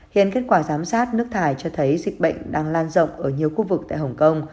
hiện kết quả giám sát nước thải cho thấy dịch bệnh đang lan rộng ở nhiều khu vực tại hồng kông